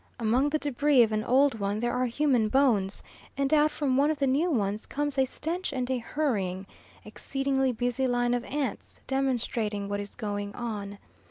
Among the debris of an old one there are human bones, and out from one of the new ones comes a stench and a hurrying, exceedingly busy line of ants, demonstrating what is going on.